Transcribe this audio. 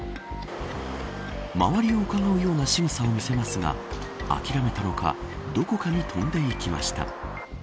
周りをうかがうようなしぐさを見せますが諦めたのかどこかに飛んでいきました。